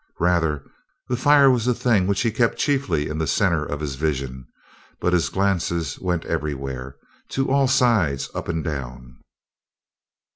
Rather, the fire was the thing which he kept chiefly in the center of his vision, but his glances went everywhere, to all sides, up, and down.